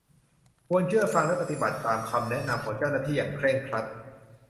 ควรเชื่อฟังและปฏิบัติตามคำแนะนำของเจ้าหน้าที่อย่างเคร่งครัด